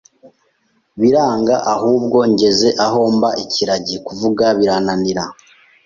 biranga ahubwo ngeze aho mba ikiragi, kuvuga birananira